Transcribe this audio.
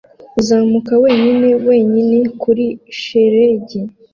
Uzamuka wenyine wenyine kuri shelegi